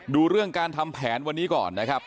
ดูเรื่องการทำแผนวันนี้ก่อนนะครับ